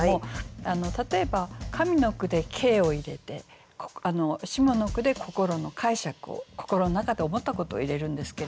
例えば上の句で「景」を入れて下の句で「心」の解釈を心の中で思ったことを入れるんですけれども。